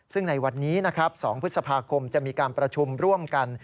ซึ่งในวันนี้นะครับ๒พฤษภาคมจะมีการประชุมร่วมกัน